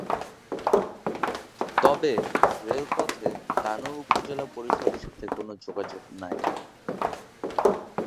তবে রেল পথে তানোর উপজেলা পরিষদ এর সাথে কোনো যোগাযোগ নাই।